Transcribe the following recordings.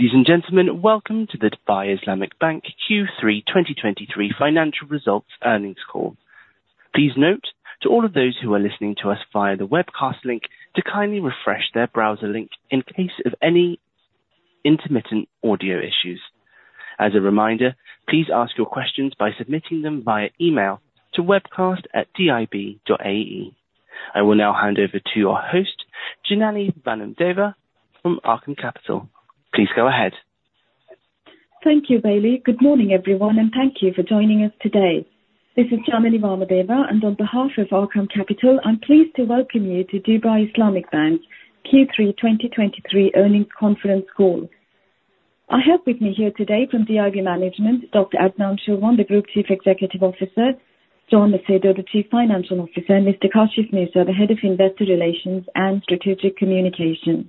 Ladies and gentlemen, welcome to the Dubai Islamic Bank Q3 2023 financial results earnings call. Please note, to all of those who are listening to us via the webcast link to kindly refresh their browser link in case of any intermittent audio issues. As a reminder, please ask your questions by submitting them via email to webcast@dib.ae. I will now hand over to our host, Janany Vamadeva from Arqaam Capital. Please go ahead. Thank you, Bailey. Good morning, everyone, and thank you for joining us today. This is Janany Vamadeva, and on behalf of Arqaam Capital, I'm pleased to welcome you to Dubai Islamic Bank Q3 2023 earnings conference call. I have with me here today from DIB Management, Dr. Adnan Chilwan, the Group Chief Executive Officer, John Macedo, the Chief Financial Officer, and Mr. Kashif Moosa, the Head of Investor Relations and Strategic Communications.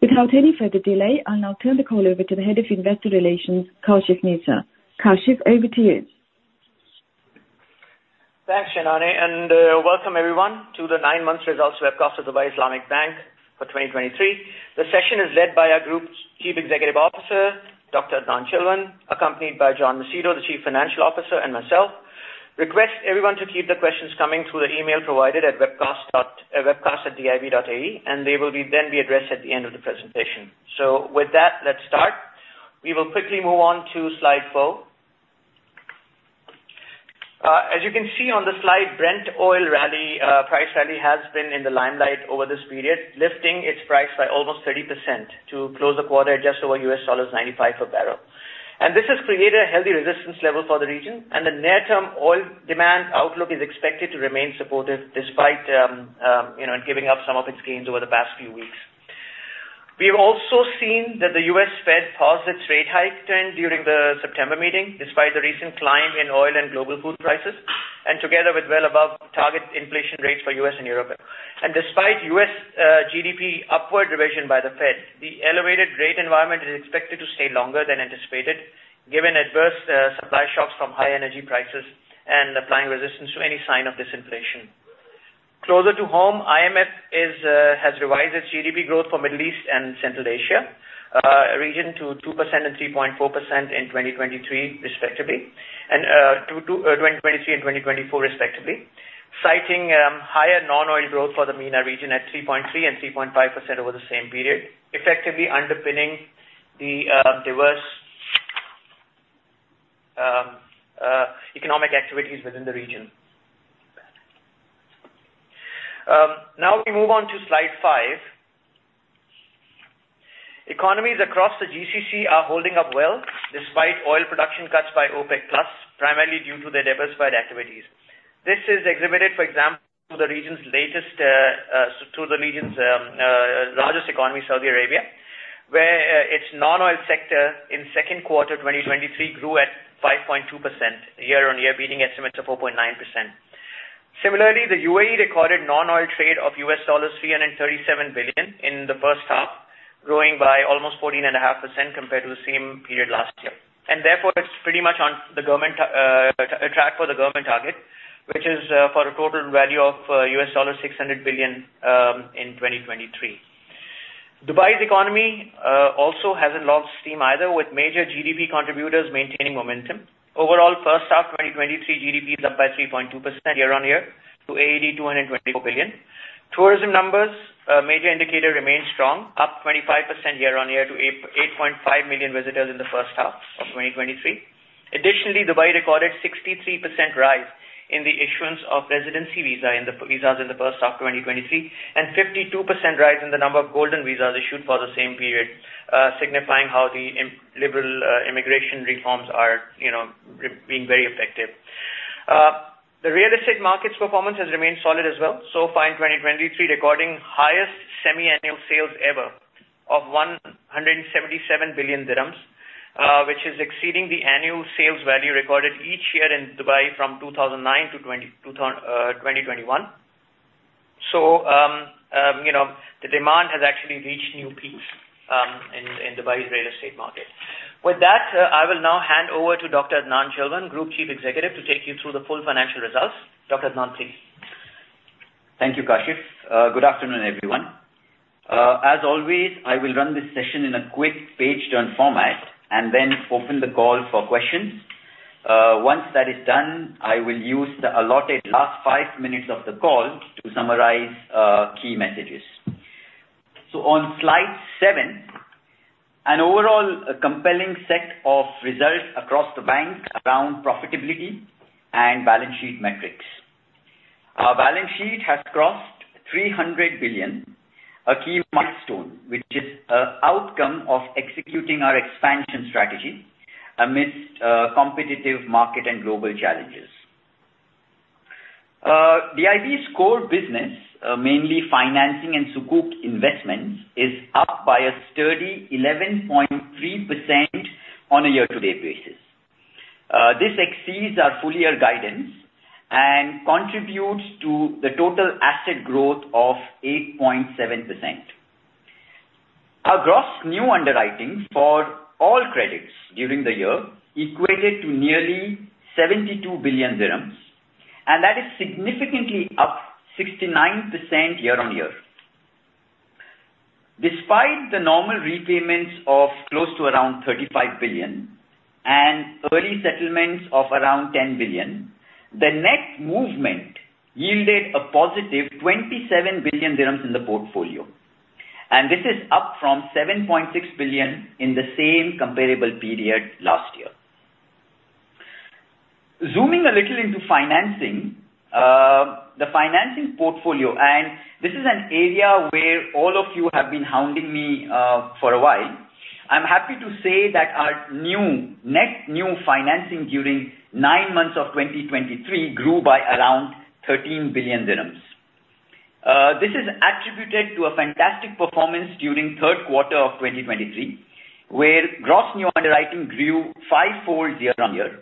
Without any further delay, I'll now turn the call over to the Head of Investor Relations, Kashif Moosa. Kashif, over to you. Thanks, Janany, and welcome everyone to the nine-month results webcast of Dubai Islamic Bank for 2023. The session is led by our Group's Chief Executive Officer, Dr. Adnan Chilwan, accompanied by John Macedo, the Chief Financial Officer, and myself. I request everyone to keep the questions coming through the email provided at webcast@dib.ae, and they will then be addressed at the end of the presentation. With that, let's start. We will quickly move on to slide 4. As you can see on the slide, Brent oil rally, price rally has been in the limelight over this period, lifting its price by almost 30% to close the quarter at just over $95 per barrel. This has created a healthy resistance level for the region, and the near-term oil demand outlook is expected to remain supportive despite, you know, giving up some of its gains over the past few weeks. We've also seen that the U.S. Fed paused its rate hike trend during the September meeting, despite the recent climb in oil and global food prices, and together with well above target inflation rates for U.S. and Europe. Despite U.S. GDP upward revision by the Fed, the elevated rate environment is expected to stay longer than anticipated, given adverse supply shocks from high energy prices and applying resistance to any sign of disinflation. Closer to home, IMF has revised its GDP growth for Middle East and Central Asia region to 2% and 3.4% in 2023, respectively, and to two, 2023 and 2024 respectively, citing higher non-oil growth for the MENA region at 3.3% and 3.5% over the same period, effectively underpinning the diverse economic activities within the region. Now we move on to slide 5. Economies across the GCC are holding up well, despite oil production cuts by OPEC+, primarily due to their diversified activities. This is exhibited, for example, through the region's largest economy, Saudi Arabia, where its non-oil sector in second quarter, 2023 grew at 5.2% year-on-year, beating estimates of 4.9%. Similarly, the UAE recorded non-oil trade of $337 billion in the first half, growing by almost 14.5% compared to the same period last year. Therefore, it's pretty much on the government track for the government target, which is for a total value of $600 billion in 2023. Dubai's economy also hasn't lost steam either, with major GDP contributors maintaining momentum. Overall, first half, 2023 GDP is up by 3.2% year-on-year to AED 224 billion. Tourism numbers, a major indicator, remains strong, up 25% year-on-year to 8.5 million visitors in the first half of 2023. Additionally, Dubai recorded 63% rise in the issuance of residency visas in the first half of 2023, and 52% rise in the number of golden visas issued for the same period, signifying how the immigration reforms are, you know, being very effective. The real estate market's performance has remained solid as well, so far in 2023, recording highest semi-annual sales ever of 177 billion dirhams, which is exceeding the annual sales value recorded each year in Dubai from 2009 to 2020, 2021. So, you know, the demand has actually reached new peaks in Dubai's real estate market. With that, I will now hand over to Dr. Adnan Chilwan, Group Chief Executive, to take you through the full financial results. Dr. Adnan, please. Thank you, Kashif. Good afternoon, everyone. As always, I will run this session in a quick page turn format, and then open the call for questions. Once that is done, I will use the allotted last five minutes of the call to summarize key messages. On slide seven, an overall compelling set of results across the bank around profitability and balance sheet metrics. Our balance sheet has crossed 300 billion, a key milestone, which is an outcome of executing our expansion strategy amidst competitive market and global challenges. DIB's core business, mainly financing and Sukuk investments, is up by a steady 11.3% on a year-to-date basis. This exceeds our full-year guidance and contributes to the total asset growth of 8.7%. Our gross new underwriting for all credits during the year equated to nearly 72 billion dirhams. That is significantly up 69% year-on-year. Despite the normal repayments of close to around 35 billion and early settlements of around 10 billion, the net movement yielded a positive 27 billion dirhams in the portfolio, and this is up from 7.6 billion in the same comparable period last year. Zooming a little into financing, the financing portfolio, and this is an area where all of you have been hounding me, for a while. I'm happy to say that our new, net new financing during nine months of 2023 grew by around 13 billion dirhams. This is attributed to a fantastic performance during third quarter of 2023, where gross new underwriting grew fivefold year-on-year,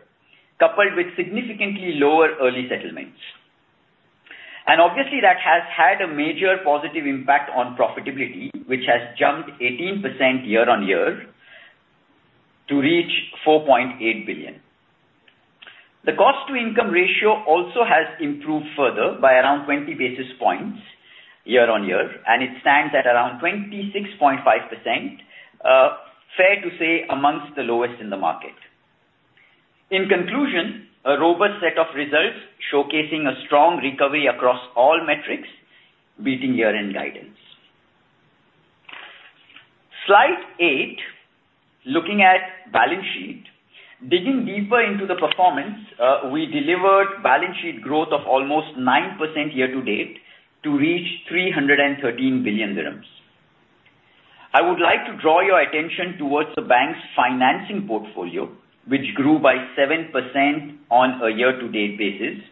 coupled with significantly lower early settlements. Obviously, that has had a major positive impact on profitability, which has jumped 18% year-on-year to reach 4.8 billion. The cost-to-income ratio also has improved further by around 20 basis points year-on-year, and it stands at around 26.5%, fair to say, among the lowest in the market. In conclusion, a robust set of results showcasing a strong recovery across all metrics, beating year-end guidance. Slide 8, looking at balance sheet. Digging deeper into the performance, we delivered balance sheet growth of almost 9% year-to-date to reach 313 billion dirhams. I would like to draw your attention towards the bank's financing portfolio, which grew by 7% on a year-to-date basis,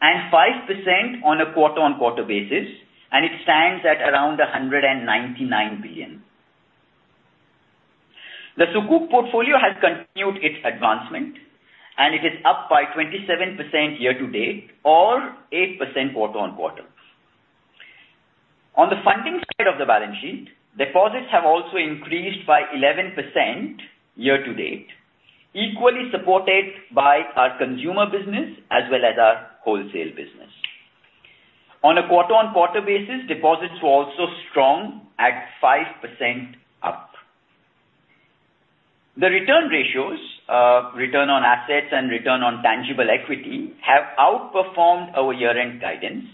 and 5% on a quarter-on-quarter basis, and it stands at around 199 billion. The Sukuk portfolio has continued its advancement, and it is up by 27% year-to-date or 8% quarter-on-quarter. On the funding side of the balance sheet, deposits have also increased by 11% year-to-date, equally supported by our consumer business as well as our wholesale business. On a quarter-on-quarter basis, deposits were also strong at 5% up. The return ratios, return on assets and return on tangible equity, have outperformed our year-end guidance,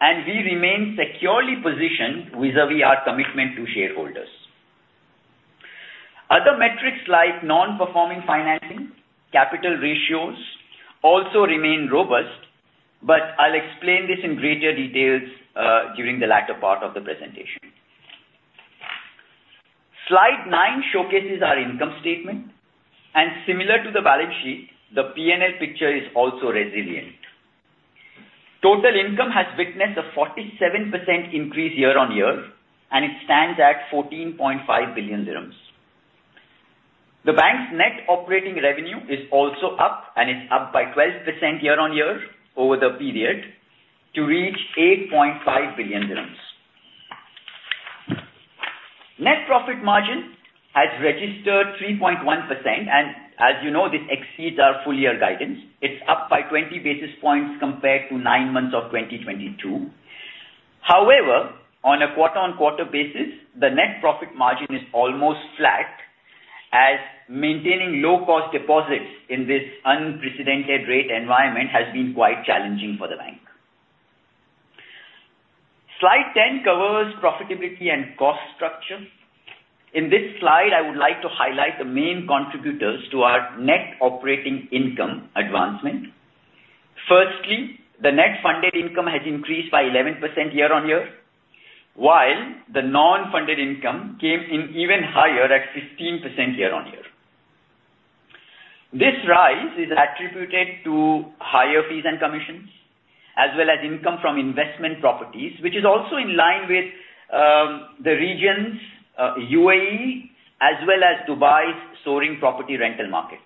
and we remain securely positioned vis-a-vis our commitment to shareholders. Other metrics like non-performing financing, capital ratios, also remain robust, but I'll explain this in greater details during the latter part of the presentation. Slide 9 showcases our income statement, and similar to the balance sheet, the P&L picture is also resilient. Total income has witnessed a 47% increase year-on-year, and it stands at 14.5 billion dirhams. The bank's net operating revenue is also up, and it's up by 12% year-on-year over the period to reach 8.5 billion dirhams. Net profit margin has registered 3.1%, and as you know, this exceeds our full year guidance. It's up by 20 basis points compared to nine months of 2022. However, on a quarter-on-quarter basis, the net profit margin is almost flat, as maintaining low-cost deposits in this unprecedented rate environment has been quite challenging for the bank. Slide 10 covers profitability and cost structure. In this slide, I would like to highlight the main contributors to our net operating income advancement. Firstly, the net funded income has increased by 11% year-on-year, while the non-funded income came in even higher at 15% year-on-year. This rise is attributed to higher fees and commissions, as well as income from investment properties, which is also in line with the region's UAE, as well as Dubai's soaring property rental market.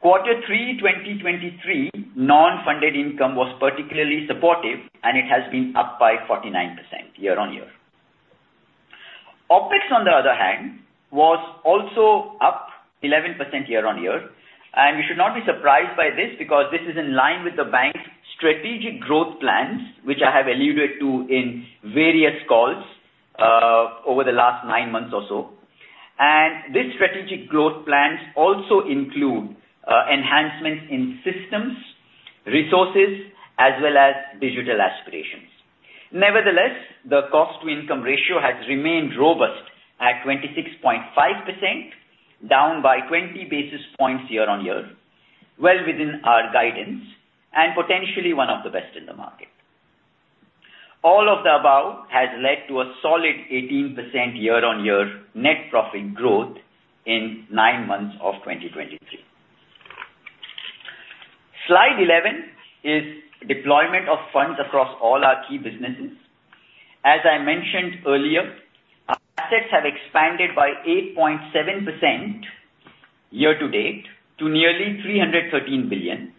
Quarter three, 2023, non-funded income was particularly supportive, and it has been up by 49% year-on-year. OpEx, on the other hand, was also up 11% year-on-year, and you should not be surprised by this because this is in line with the bank's strategic growth plans, which I have alluded to in various calls over the last nine months or so. This strategic growth plans also include enhancements in systems, resources, as well as digital aspirations. Nevertheless, the cost-to-income ratio has remained robust at 26.5%, down by 20 basis points year-on-year, well within our guidance and potentially one of the best in the market. All of the above has led to a solid 18% year-on-year net profit growth in nine months of 2023. Slide 11 is deployment of funds across all our key businesses. As I mentioned earlier, our assets have expanded by 8.7% year-to-date to nearly 313 billion.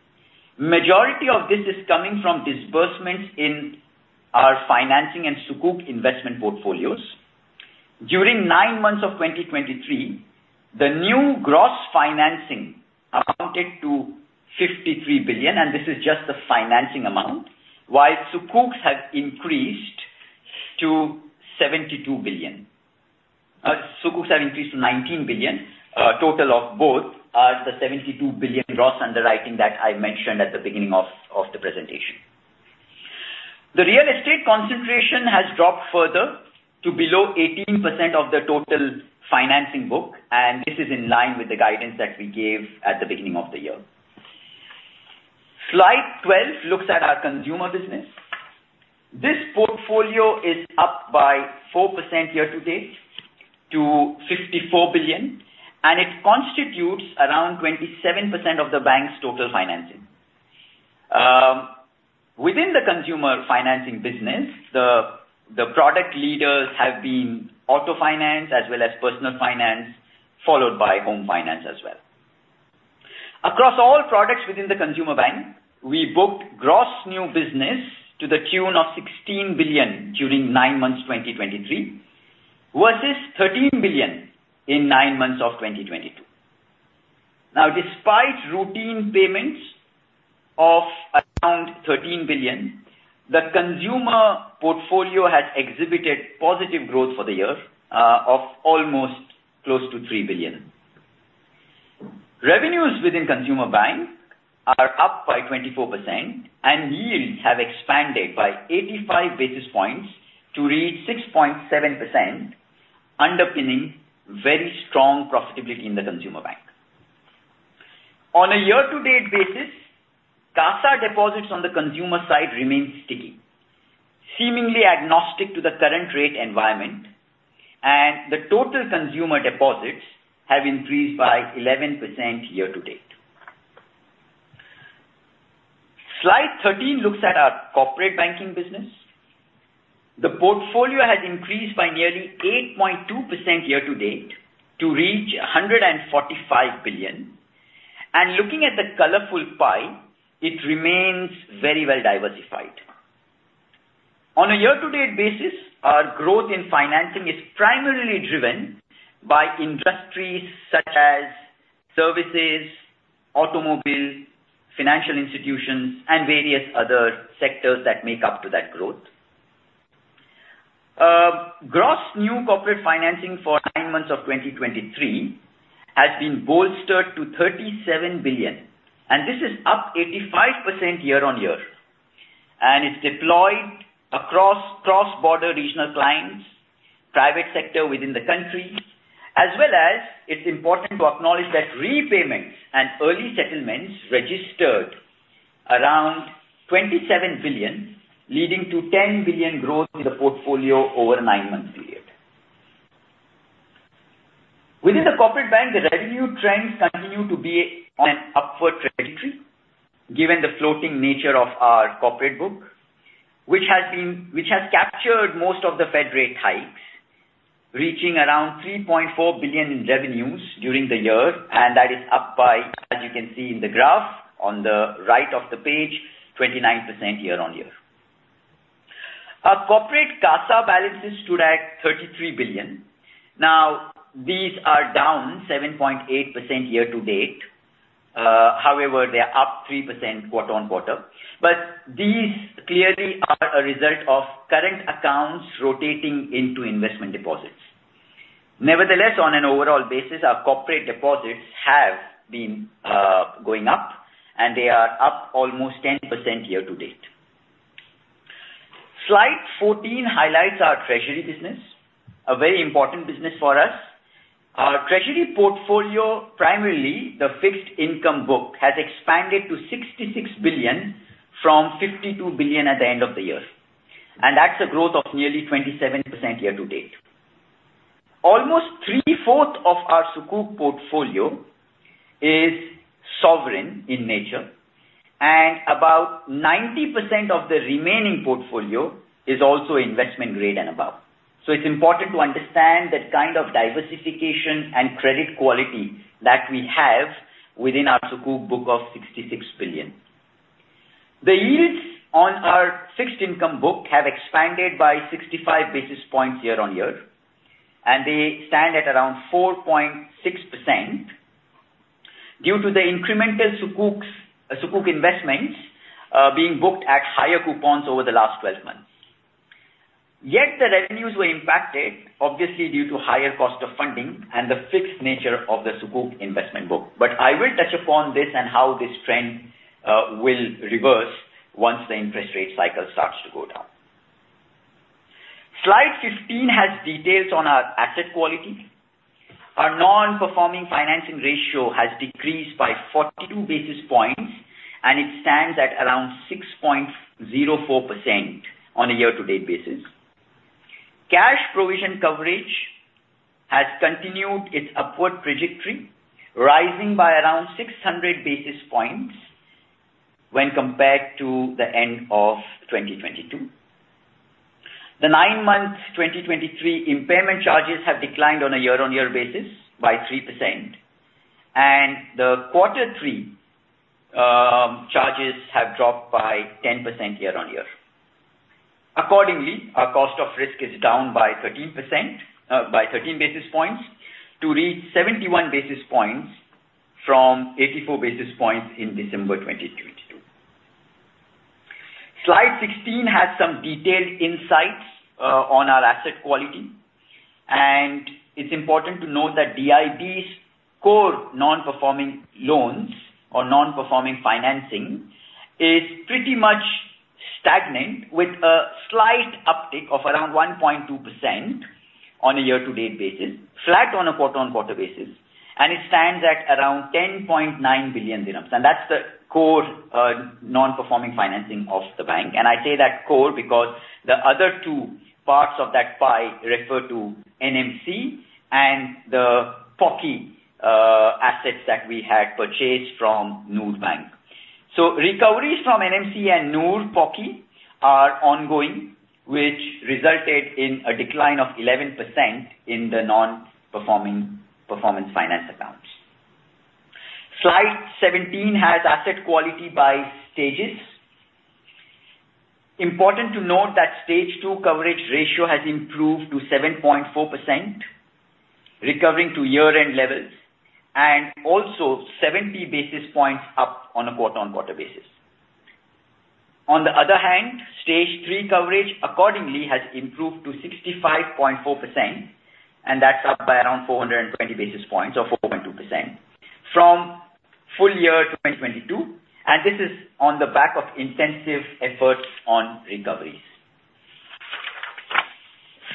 Majority of this is coming from disbursements in our financing and sukuk investment portfolios.... During nine months of 2023, the new gross financing amounted to 53 billion, and this is just the financing amount, while sukuks have increased to 19 billion. Total of both are the 72 billion gross underwriting that I mentioned at the beginning of the presentation. The real estate concentration has dropped further to below 18% of the total financing book, and this is in line with the guidance that we gave at the beginning of the year. Slide 12 looks at our consumer business. This portfolio is up by 4% year-to-date to 54 billion, and it constitutes around 27% of the bank's total financing. Within the consumer financing business, the product leaders have been auto finance as well as personal finance, followed by home finance as well. Across all products within the consumer bank, we booked gross new business to the tune of 16 billion during nine months, 2023, versus 13 billion in nine months of 2022. Now, despite routine payments of around 13 billion, the consumer portfolio has exhibited positive growth for the year, of almost close to 3 billion. Revenues within consumer bank are up by 24%, and yields have expanded by 85 basis points to reach 6.7%, underpinning very strong profitability in the consumer bank. On a year-to-date basis, CASA deposits on the consumer side remain sticky, seemingly agnostic to the current rate environment, and the total consumer deposits have increased by 11% year-to-date. Slide 13 looks at our corporate banking business. The portfolio has increased by nearly 8.2% year-to-date to reach 145 billion. Looking at the colorful pie, it remains very well diversified. On a year-to-date basis, our growth in financing is primarily driven by industries such as services, automobile, financial institutions, and various other sectors that make up to that growth. Gross new corporate financing for nine months of 2023 has been bolstered to 37 billion, and this is up 85% year-on-year. It's deployed across cross-border regional clients, private sector within the country, as well as it's important to acknowledge that repayments and early settlements registered around 27 billion, leading to 10 billion growth in the portfolio over a nine-month period. Within the corporate bank, the revenue trends continue to be on an upward trajectory, given the floating nature of our corporate book, which has captured most of the Fed rate hikes, reaching around 3.4 billion in revenues during the year, and that is up by, as you can see in the graph on the right of the page, 29% year-on-year. Our corporate CASA balances stood at 33 billion. Now, these are down 7.8% year-to-date. However, they are up 3% quarter-on-quarter. But these clearly are a result of current accounts rotating into investment deposits. Nevertheless, on an overall basis, our corporate deposits have been going up, and they are up almost 10% year-to-date. Slide 14 highlights our treasury business, a very important business for us. Our treasury portfolio, primarily the fixed income book, has expanded to 66 billion from 52 billion at the end of the year, and that's a growth of nearly 27% year-to-date. Almost three-fourths of our Sukuk portfolio is sovereign in nature, and about 90% of the remaining portfolio is also investment grade and above. So it's important to understand the kind of diversification and credit quality that we have within our Sukuk book of 66 billion. The yields on our fixed income book have expanded by 65 basis points year-on-year, and they stand at around 4.6% due to the incremental sukuks, sukuk investments, being booked at higher coupons over the last 12 months. Yet, the revenues were impacted, obviously, due to higher cost of funding and the fixed nature of the sukuk investment book. But I will touch upon this and how this trend will reverse once the interest rate cycle starts to go down. Slide 15 has details on our asset quality. Our non-performing financing ratio has decreased by 42 basis points, and it stands at around 6.04% on a year-to-date basis. Cash provision coverage has continued its upward trajectory, rising by around 600 basis points when compared to the end of 2022. The nine months 2023 impairment charges have declined on a year-on-year basis by 3%, and the quarter three dropped by 10% year-on-year. Accordingly, our cost of risk is down by 13%, by 13 basis points, to reach 71 basis points from 84 basis points in December 2022. Slide 16 has some detailed insights on our asset quality, and it's important to note that DIB's core non-performing loans or non-performing financing is pretty much stagnant, with a slight uptick of around 1.2% on a year-to-date basis, flat on a quarter-on-quarter basis, and it stands at around 10.9 billion dirhams. And that's the core non-performing financing of the bank. And I say that core, because the other two parts of that pie refer to NMC and the POCI assets that we had purchased from Noor Bank. Recoveries from NMC and Noor Bank are ongoing, which resulted in a decline of 11% in the non-performing financing accounts. Slide 17 has asset quality by stages. Important to note that Stage 2 coverage ratio has improved to 7.4%, recovering to year-end levels, and also 70 basis points up on a quarter-on-quarter basis. On the other hand, Stage 3 coverage accordingly has improved to 65.4%, and that's up by around 420 basis points or 4.2%, from full year 2022, and this is on the back of intensive efforts on recoveries.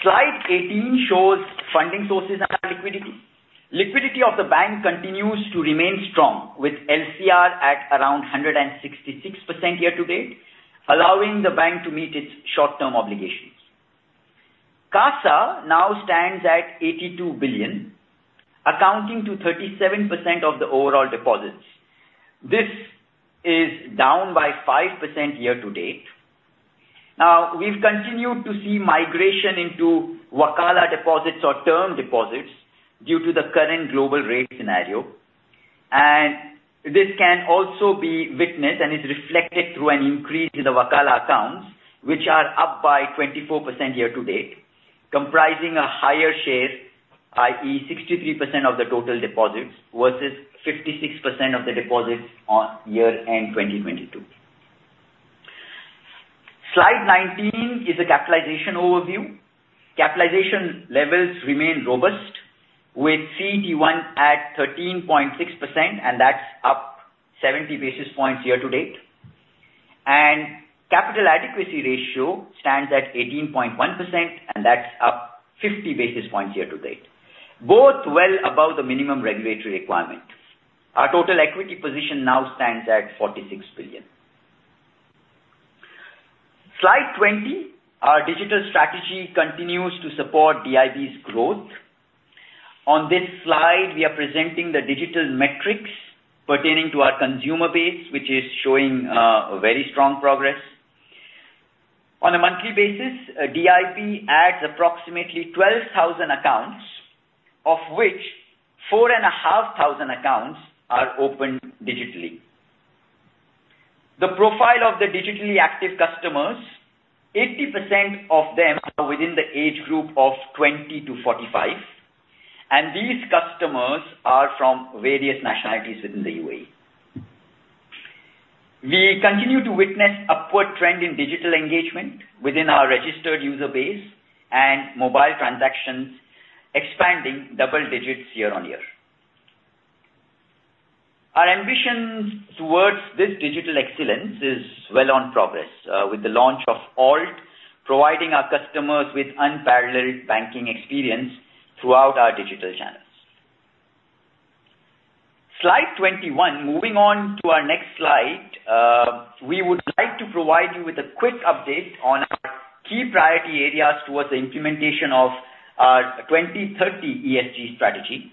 Slide 18 shows funding sources and our liquidity. Liquidity of the bank continues to remain strong, with LCR at around 166% year-to-date, allowing the bank to meet its short-term obligations. CASA now stands at 82 billion, accounting for 37% of the overall deposits. This is down by 5% year-to-date. Now, we've continued to see migration into Wakalah deposits or term deposits due to the current global rate scenario. And this can also be witnessed and is reflected through an increase in the Wakalah accounts, which are up by 24% year-to-date, comprising a higher share, i.e., 63% of the total deposits versus 56% of the deposits on year-end 2022. Slide 19 is a capitalization overview. Capitalization levels remain robust, with CET1 at 13.6%, and that's up 70 basis points year-to-date. And capital adequacy ratio stands at 18.1%, and that's up 50 basis points year-to-date, both well above the minimum regulatory requirement. Our total equity position now stands at 46 billion. Slide 20. Our digital strategy continues to support DIB's growth. On this slide, we are presenting the digital metrics pertaining to our consumer base, which is showing a very strong progress. On a monthly basis, DIB adds approximately 12,000 accounts, of which 4,500 accounts are opened digitally. The profile of the digitally active customers, 80% of them are within the age group of 20-45, and these customers are from various nationalities within the UAE. We continue to witness upward trend in digital engagement within our registered user base and mobile transactions, expanding double digits year-on-year. Our ambitions towards this digital excellence is well on progress with the launch of alt, providing our customers with unparalleled banking experience throughout our digital channels. Slide 21. Moving on to our next slide, we would like to provide you with a quick update on our key priority areas towards the implementation of our 2030 ESG strategy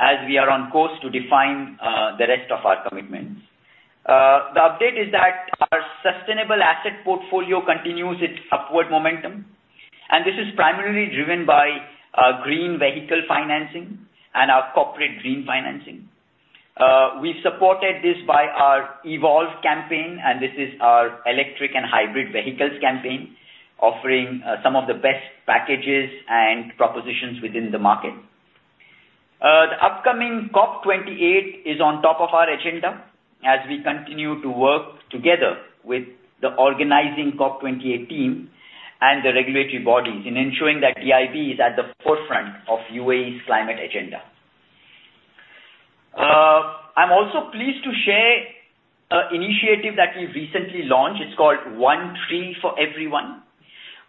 as we are on course to define the rest of our commitments. The update is that our sustainable asset portfolio continues its upward momentum, and this is primarily driven by our green vehicle financing and our corporate green financing. We've supported this by our Evolve campaign, and this is our electric and hybrid vehicles campaign, offering some of the best packages and propositions within the market. The upcoming COP28 is on top of our agenda as we continue to work together with the organizing COP28 team and the regulatory bodies in ensuring that DIB is at the forefront of UAE's climate agenda. I'm also pleased to share an initiative that we recently launched. It's called One Tree for Everyone,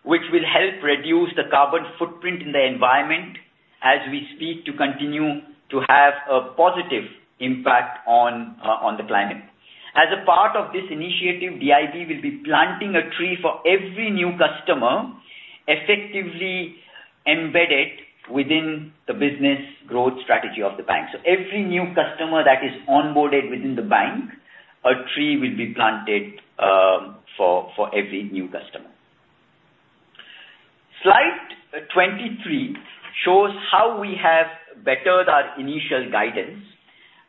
which will help reduce the carbon footprint in the environment as we speak, to continue to have a positive impact on, on the climate. As a part of this initiative, DIB will be planting a tree for every new customer, effectively embedded within the business growth strategy of the bank. So every new customer that is onboarded within the bank, a tree will be planted, for every new customer. 23 shows how we have bettered our initial guidance,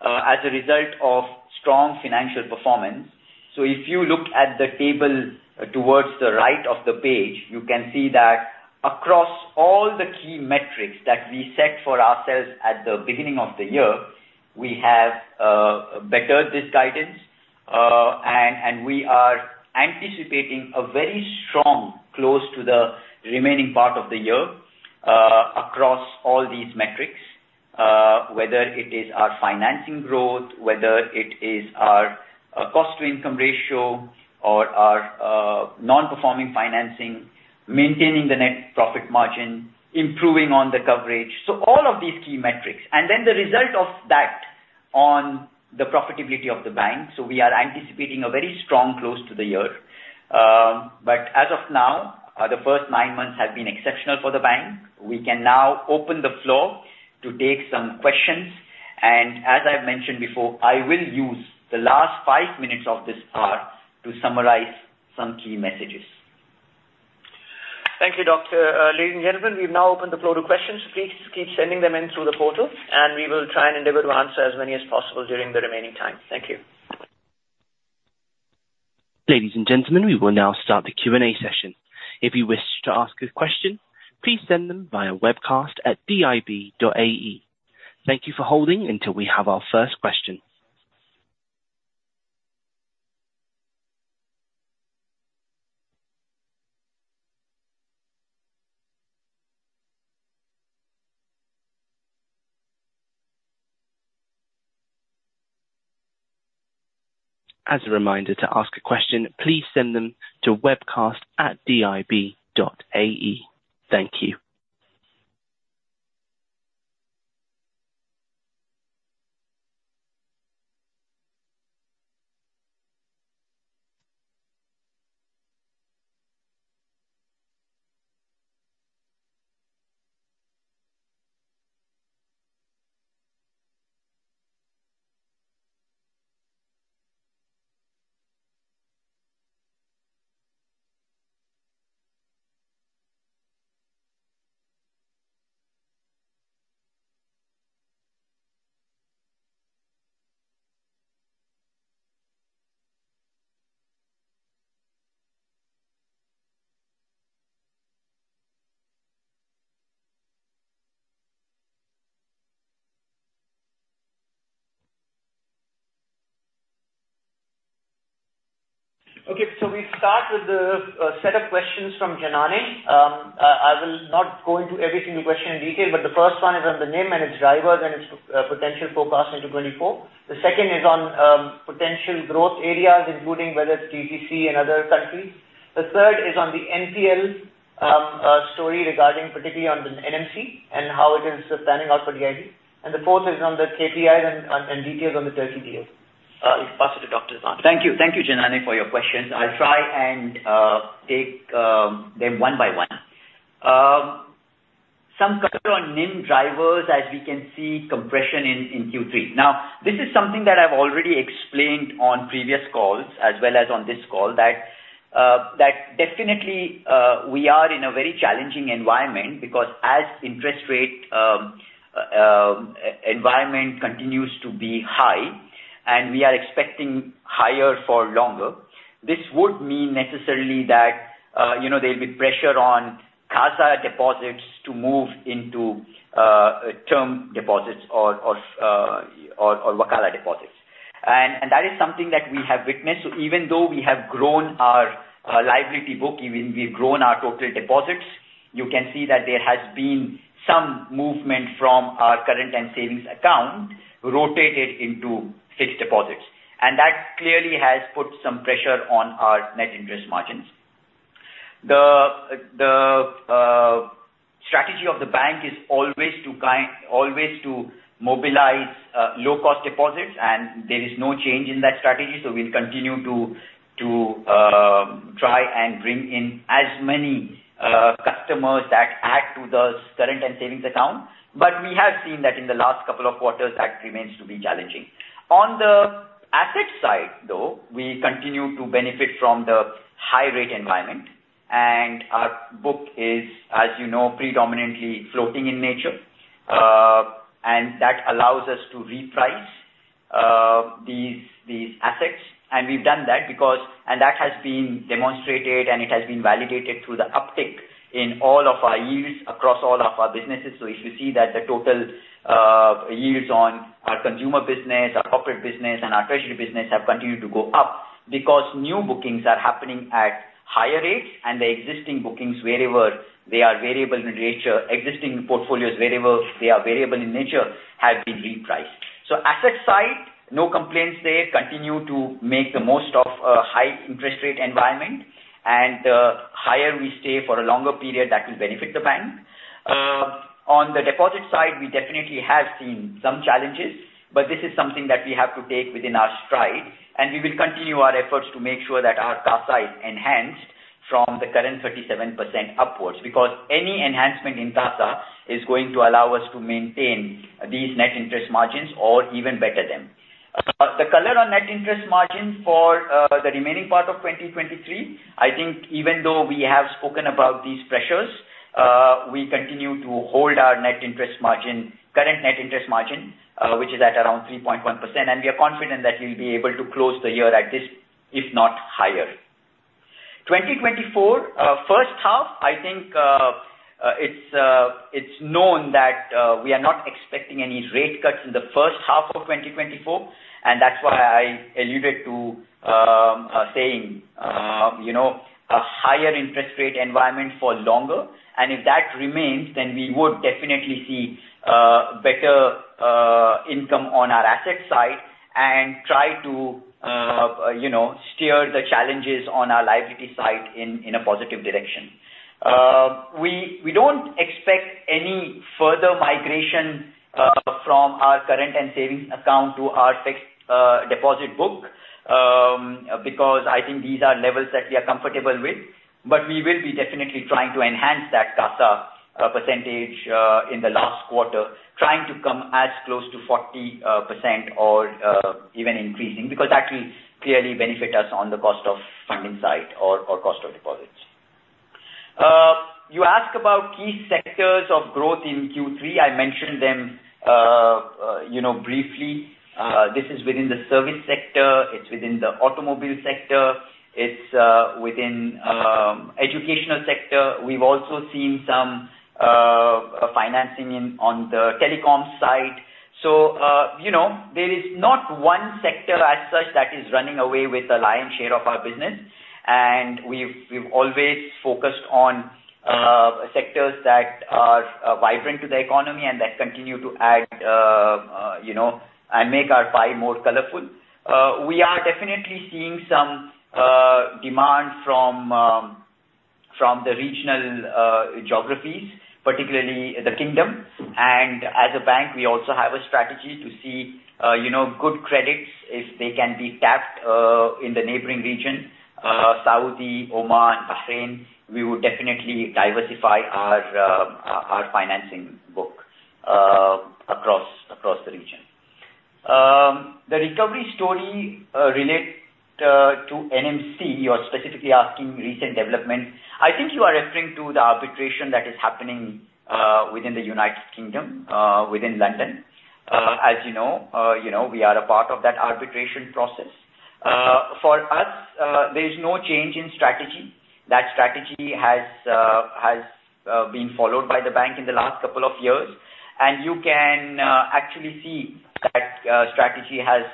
as a result of strong financial performance. So if you look at the table towards the right of the page, you can see that across all the key metrics that we set for ourselves at the beginning of the year, we have bettered this guidance, and we are anticipating a very strong close to the remaining part of the year, across all these metrics, whether it is our financing growth, whether it is our cost-to-income ratio or our non-performing financing, maintaining the net profit margin, improving on the coverage, so all of these key metrics. And then the result of that on the profitability of the bank. So we are anticipating a very strong close to the year. But as of now, the first nine months have been exceptional for the bank. We can now open the floor to take some questions, and as I've mentioned before, I will use the last five minutes of this hour to summarize some key messages. Thank you, Doctor. Ladies and gentlemen, we've now opened the floor to questions. Please keep sending them in through the portal, and we will try and endeavor to answer as many as possible during the remaining time. Thank you. Ladies and gentlemen, we will now start the Q&A session. If you wish to ask a question, please send them via webcast@dib.ae. Thank you for holding until we have our first question. As a reminder to ask a question, please send them to webcast@dib.ae. Thank you. Okay. So we start with the set of questions from Janany. I will not go into every single question in detail, but the first one is on the NIM and its drivers and its potential forecast into 2024. The second is on potential growth areas, including whether it's GCC and other countries. The third is on the NPL story regarding particularly on the NMC and how it is planning out for DIB. And the fourth is on the KPIs and details on the Turkey deal. I'll pass it to Dr. Santhosh. Thank you. Thank you, Janany, for your questions. I'll try and take them one by one. Some color on NIM drivers, as we can see, compression in Q3. Now, this is something that I've already explained on previous calls as well as on this call that definitely we are in a very challenging environment because as interest rate environment continues to be high, and we are expecting higher for longer, this would mean necessarily that you know there'll be pressure on Casa deposits to move into term deposits or Wakalah deposits. And that is something that we have witnessed. So even though we have grown our liability book, even we've grown our total deposits, you can see that there has been some movement from our current and savings account rotated into fixed deposits. That clearly has put some pressure on our net interest margins. The strategy of the bank is always to mobilize low-cost deposits, and there is no change in that strategy, so we'll continue to try and bring in as many customers that add to the current and savings account. But we have seen that in the last couple of quarters, that remains to be challenging. On the asset side, though, we continue to benefit from the high rate environment, and our book is, as you know, predominantly floating in nature, and that allows us to reprice these assets. And we've done that because... And that has been demonstrated, and it has been validated through the uptick in all of our yields across all of our businesses. So if you see that the total yields on our consumer business, our corporate business, and our treasury business have continued to go up because new bookings are happening at higher rates, and the existing bookings, wherever they are variable in nature, existing portfolios, wherever they are variable in nature, have been repriced. So asset side, no complaints there. Continue to make the most of a high interest rate environment, and the higher we stay for a longer period, that will benefit the bank. On the deposit side, we definitely have seen some challenges, but this is something that we have to take within our stride, and we will continue our efforts to make sure that our CASA is enhanced from the current 37% upwards, because any enhancement in CASA is going to allow us to maintain these net interest margins or even better them.... The color on net interest margin for the remaining part of 2023, I think even though we have spoken about these pressures, we continue to hold our net interest margin, current net interest margin, which is at around 3.1%, and we are confident that we'll be able to close the year at this, if not higher. 2024, first half, I think, it's known that we are not expecting any rate cuts in the first half of 2024, and that's why I alluded to saying, you know, a higher interest rate environment for longer. If that remains, then we would definitely see better income on our asset side and try to, you know, steer the challenges on our liability side in a positive direction. We don't expect any further migration from our current and savings account to our fixed deposit book, because I think these are levels that we are comfortable with. But we will be definitely trying to enhance that CASA percentage in the last quarter, trying to come as close to 40% or even increasing, because that will clearly benefit us on the cost of funding side or cost of deposits. You ask about key sectors of growth in Q3. I mentioned them, you know, briefly. This is within the service sector, it's within the automobile sector, it's within educational sector. We've also seen some financing in on the telecom side. So, you know, there is not one sector as such that is running away with the lion's share of our business, and we've, we've always focused on, sectors that are, vibrant to the economy and that continue to add, you know, and make our pie more colorful. We are definitely seeing some, demand from, from the regional, geographies, particularly the kingdom. And as a bank, we also have a strategy to see, you know, good credits if they can be tapped, in the neighboring region, Saudi, Oman, Bahrain, we would definitely diversify our, our financing book, across, across the region. The recovery story, relate, to NMC, you're specifically asking recent developments. I think you are referring to the arbitration that is happening, within the United Kingdom, within London. As you know, you know, we are a part of that arbitration process. For us, there is no change in strategy. That strategy has been followed by the bank in the last couple of years, and you can actually see that strategy has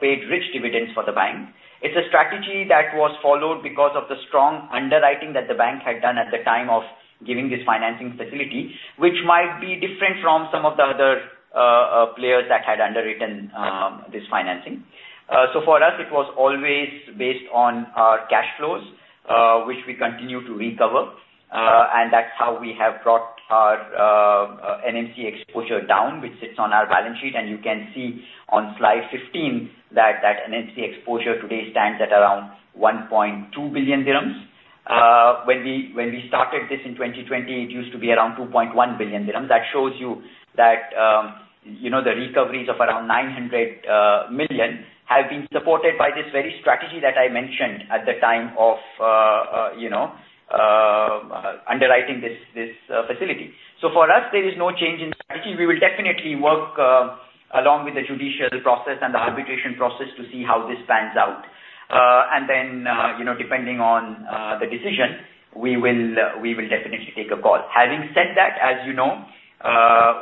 paid rich dividends for the bank. It's a strategy that was followed because of the strong underwriting that the bank had done at the time of giving this financing facility, which might be different from some of the other players that had underwritten this financing. So for us, it was always based on our cash flows, which we continue to recover, and that's how we have brought our NMC exposure down, which sits on our balance sheet. You can see on slide 15 that NMC exposure today stands at around 1.2 billion dirhams. When we started this in 2020, it used to be around 2.1 billion dirhams. That shows you that, you know, the recoveries of around 900 million have been supported by this very strategy that I mentioned at the time of, you know, underwriting this facility. So for us, there is no change in strategy. We will definitely work along with the judicial process and the arbitration process to see how this pans out. And then, you know, depending on the decision, we will definitely take a call. Having said that, as you know,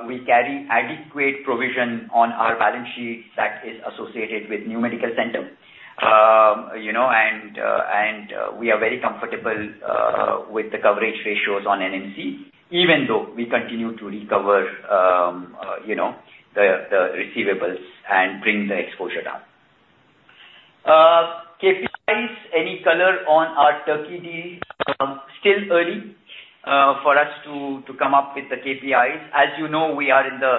we carry adequate provision on our balance sheet that is associated with NMC Health. You know, we are very comfortable with the coverage ratios on NMC, even though we continue to recover, you know, the receivables and bring the exposure down. KPIs, any color on our Turkey deal, still early for us to come up with the KPIs. As you know, we are in the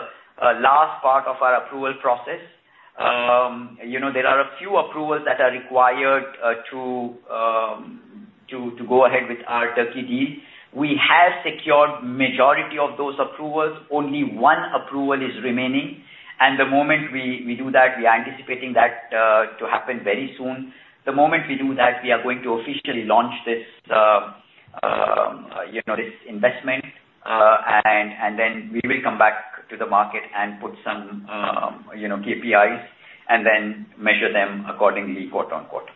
last part of our approval process. You know, there are a few approvals that are required to go ahead with our Turkey deal. We have secured majority of those approvals. Only one approval is remaining, and the moment we do that, we are anticipating that to happen very soon. The moment we do that, we are going to officially launch this, you know, this investment, and, and then we will come back to the market and put some, you know, KPIs, and then measure them accordingly quarter on quarter.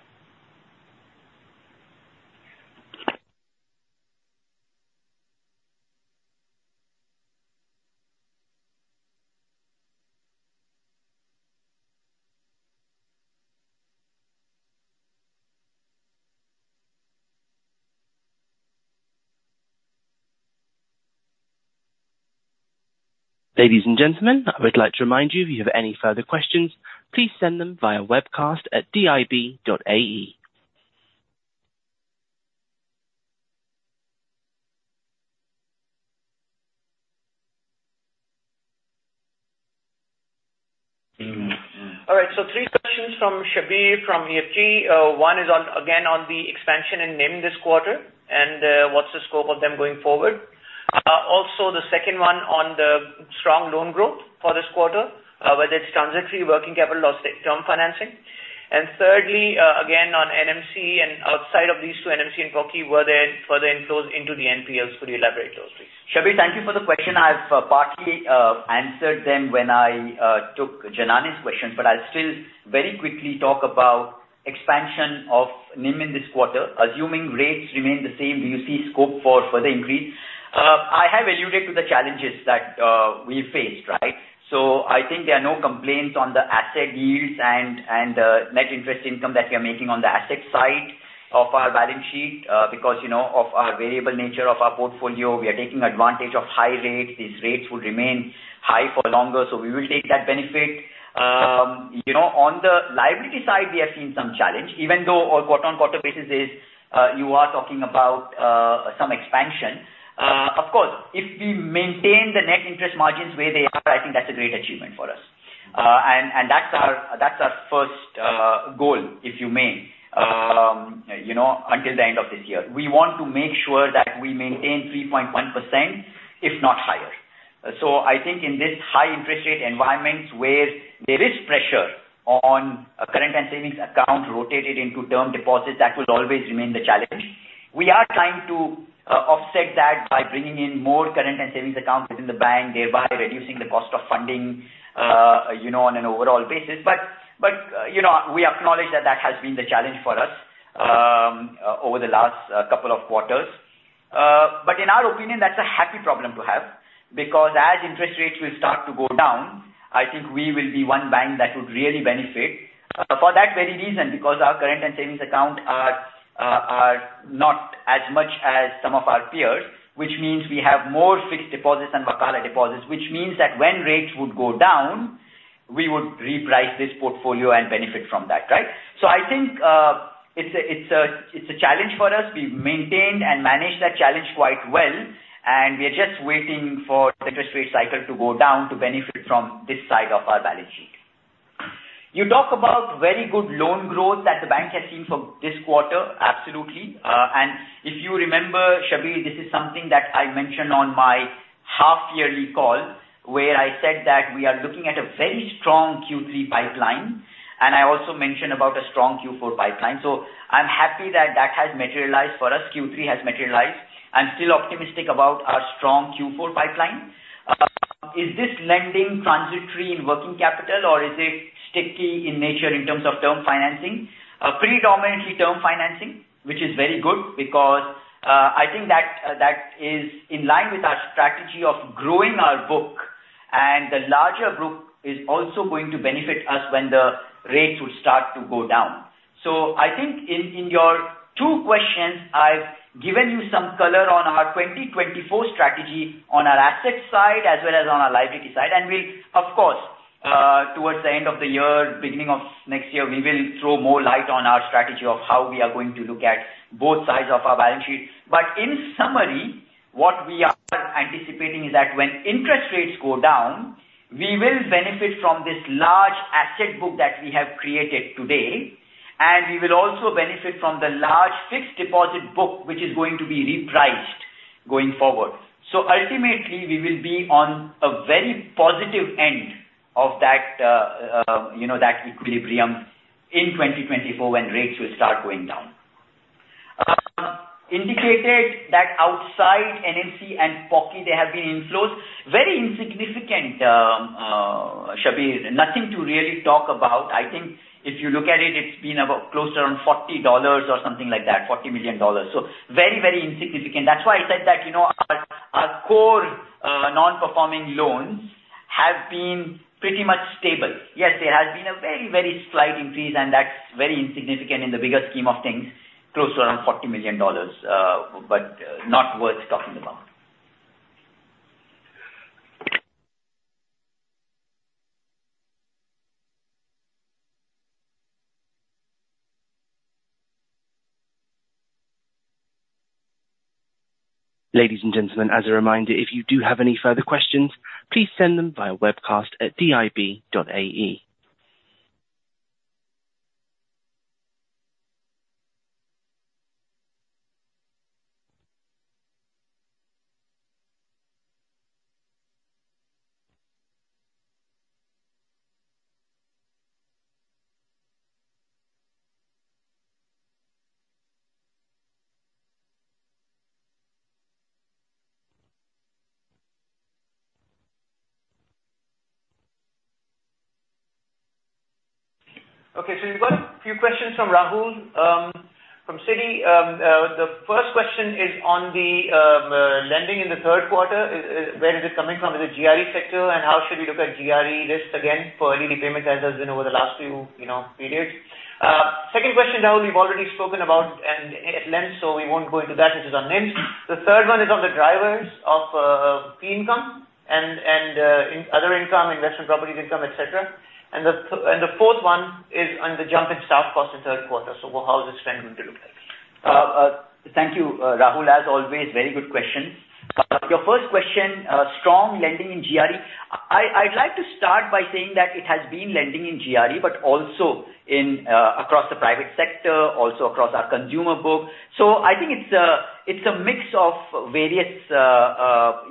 Ladies and gentlemen, I would like to remind you, if you have any further questions, please send them via webcast@dib.ae. All right. So three questions from Shabbir, from EFG. One is on, again, on the expansion in NIM this quarter, and, what's the scope of them going forward? ... also the second one on the strong loan growth for this quarter, whether it's transitory working capital or term financing. And thirdly, again, on NMC and outside of these two, NMC and POCI, were there further inflows into the NPLs? Could you elaborate those, please? Shabbir, thank you for the question. I've partly answered them when I took Janany's question, but I'll still very quickly talk about expansion of NIM in this quarter. Assuming rates remain the same, do you see scope for further increase? I have alluded to the challenges that we faced, right? So I think there are no complaints on the asset yields and net interest income that we are making on the asset side of our balance sheet, because, you know, of our variable nature of our portfolio, we are taking advantage of high rates. These rates will remain high for longer, so we will take that benefit. You know, on the liability side, we have seen some challenge, even though on quarter-on-quarter basis is you are talking about some expansion. Of course, if we maintain the net interest margins where they are, I think that's a great achievement for us. And that's our first goal, if you may, you know, until the end of this year. We want to make sure that we maintain 3.1%, if not higher. So I think in this high interest rate environment where there is pressure on current and savings account rotated into term deposits, that will always remain the challenge. We are trying to offset that by bringing in more current and savings accounts within the bank, thereby reducing the cost of funding, you know, on an overall basis. But you know, we acknowledge that has been the challenge for us over the last couple of quarters. But in our opinion, that's a happy problem to have, because as interest rates will start to go down, I think we will be one bank that would really benefit, for that very reason, because our current and savings account are not as much as some of our peers, which means we have more fixed deposits and Wakalah deposits, which means that when rates would go down, we would reprice this portfolio and benefit from that, right? So I think, it's a challenge for us. We've maintained and managed that challenge quite well, and we are just waiting for the interest rate cycle to go down to benefit from this side of our balance sheet. You talk about very good loan growth that the bank has seen for this quarter. Absolutely. And if you remember, Shabir, this is something that I mentioned on my half yearly call, where I said that we are looking at a very strong Q3 pipeline, and I also mentioned about a strong Q4 pipeline. So I'm happy that that has materialized for us. Q3 has materialized. I'm still optimistic about our strong Q4 pipeline. Is this lending transitory in working capital, or is it sticky in nature in terms of term financing? Predominantly term financing, which is very good because, I think that, that is in line with our strategy of growing our book, and the larger book is also going to benefit us when the rates will start to go down. So I think in, in your two questions, I've given you some color on our 2024 strategy on our asset side, as well as on our liability side. We'll of course, towards the end of the year, beginning of next year, we will throw more light on our strategy of how we are going to look at both sides of our balance sheet. But in summary, what we are anticipating is that when interest rates go down, we will benefit from this large asset book that we have created today, and we will also benefit from the large fixed deposit book, which is going to be repriced going forward. So ultimately, we will be on a very positive end of that, you know, that equilibrium in 2024, when rates will start going down. Indicated that outside NMC and POCI, there have been inflows. Very insignificant, Shabir. Nothing to really talk about. I think if you look at it, it's been about close to around $40 or something like that, $40 million. So very, very insignificant. That's why I said that, you know, our, our core, non-performing loans have been pretty much stable. Yes, there has been a very, very slight increase, and that's very insignificant in the bigger scheme of things, close to around $40 million, but not worth talking about. Ladies and gentlemen, as a reminder, if you do have any further questions, please send them via webcast at dib.ae. Okay, so we've got a few questions from Rahul from Citi. The first question is on the lending in the third quarter. Where is it coming from? Is it GRE sector, and how should we look at GRE risks again for early repayment, as has been over the last few, you know, periods? Second question, Rahul, we've already spoken about and at length, so we won't go into that, which is on NIM. The third one is on the drivers of fee income and other income, investment properties income, et cetera. The fourth one is on the jump in staff costs in third quarter. So how is this trend going to look like? Thank you, Rahul, as always, very good question. Your first question, strong lending in GRE. I'd like to start by saying that it has been lending in GRE, but also in across the private sector, also across our consumer book. So I think it's a, it's a mix of various,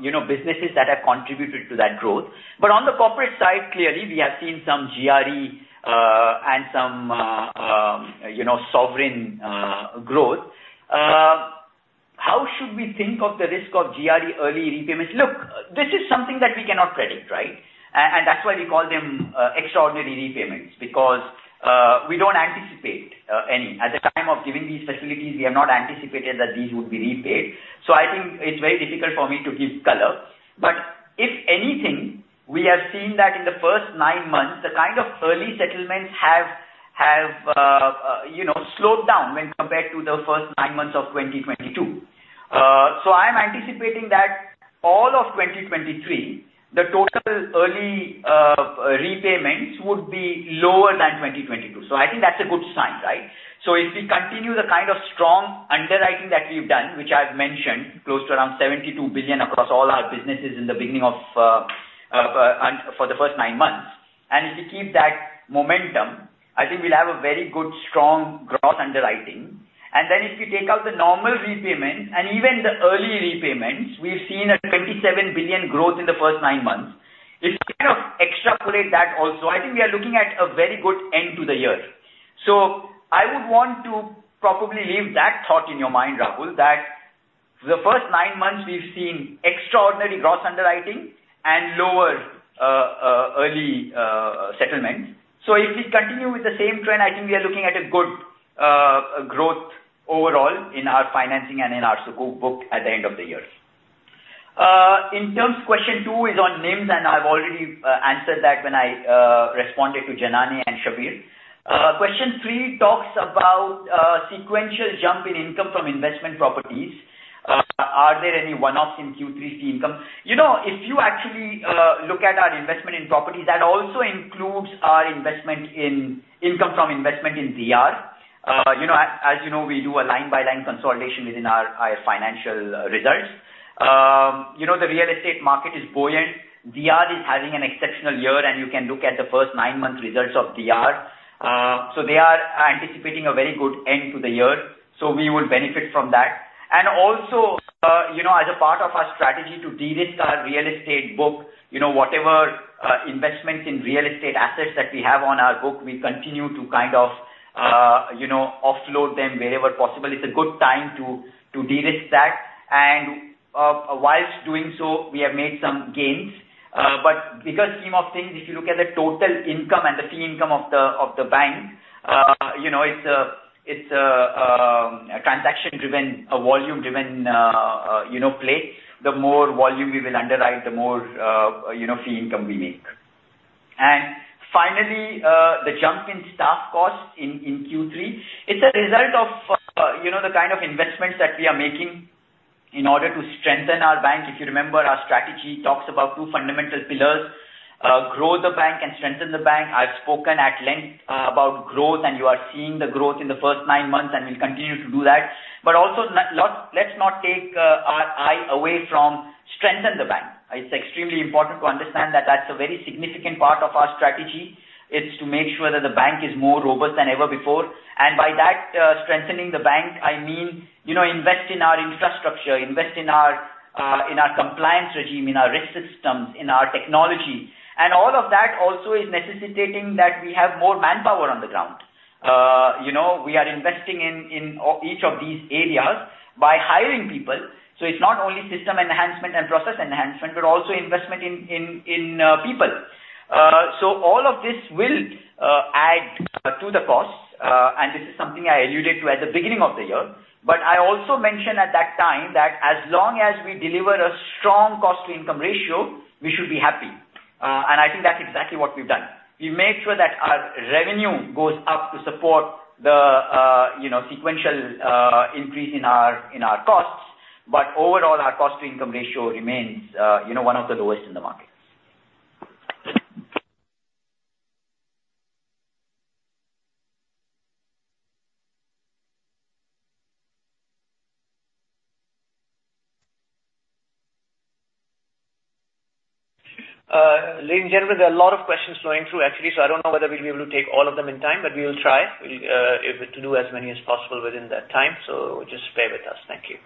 you know, businesses that have contributed to that growth. But on the corporate side, clearly, we have seen some GRE, and some, you know, sovereign, growth. How should we think of the risk of GRE early repayments? Look, this is something that we cannot predict, right? And that's why we call them extraordinary repayments, because we don't anticipate any. At the time of giving these facilities, we have not anticipated that these would be repaid. So I think it's very difficult for me to give color. But if anything, we have seen that in the first nine months, the kind of early settlements have you know slowed down when compared to the first nine months of 2022. So I'm anticipating that all of 2023, the total early repayments would be lower than 2022. So I think that's a good sign, right? So if we continue the kind of strong underwriting that we've done, which I've mentioned, close to around 72 billion across all our businesses in the beginning of for the first nine months. And if we keep that momentum, I think we'll have a very good, strong growth underwriting. And then if we take out the normal repayments and even the early repayments, we've seen a 27 billion growth in the first nine months. If you kind of extrapolate that also, I think we are looking at a very good end to the year. So I would want to probably leave that thought in your mind, Rahul, that the first nine months we've seen extraordinary gross underwriting and lower early settlement. So if we continue with the same trend, I think we are looking at a good growth overall in our financing and in our book at the end of the year. In terms of question two is on NIMS, and I've already answered that when I responded to Janany and Shabir. Question three talks about sequential jump in income from investment properties. Are there any one-offs in Q3 fee income? You know, if you actually look at our investment in property, that also includes our investment in income from investment in DR. You know, as you know, we do a line-by-line consolidation within our financial results. You know, the real estate market is buoyant. DR is having an exceptional year, and you can look at the first nine months results of DR. So they are anticipating a very good end to the year, so we would benefit from that. And also, you know, as a part of our strategy to derisk our real estate book, you know, whatever investments in real estate assets that we have on our book, we continue to kind of, you know, offload them wherever possible. It's a good time to derisk that. And, while doing so, we have made some gains. But bigger scheme of things, if you look at the total income and the fee income of the bank, you know, it's a transaction-driven, volume-driven, you know, play. The more volume we will underwrite, the more, you know, fee income we make. And finally, the jump in staff costs in Q3, it's a result of, you know, the kind of investments that we are making in order to strengthen our bank. If you remember, our strategy talks about two fundamental pillars, grow the bank and strengthen the bank. I've spoken at length, about growth, and you are seeing the growth in the first nine months, and we'll continue to do that. But also, let's not take our eye away from strengthen the bank. It's extremely important to understand that that's a very significant part of our strategy, is to make sure that the bank is more robust than ever before. And by that, strengthening the bank, I mean, you know, invest in our infrastructure, invest in our, in our compliance regime, in our risk systems, in our technology. And all of that also is necessitating that we have more manpower on the ground. You know, we are investing in each of these areas by hiring people. So it's not only system enhancement and process enhancement, but also investment in people. So all of this will add to the costs, and this is something I alluded to at the beginning of the year. But I also mentioned at that time, that as long as we deliver a strong cost-to-income ratio, we should be happy. And I think that's exactly what we've done. We made sure that our revenue goes up to support the, you know, sequential increase in our, in our costs. But overall, our cost-to-income ratio remains, you know, one of the lowest in the market. Ladies and gentlemen, there are a lot of questions flowing through, actually, so I don't know whether we'll be able to take all of them in time, but we will try to do as many as possible within that time. So just bear with us. Thank you.